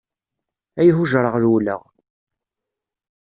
Ay hujṛeɣ rewleɣ.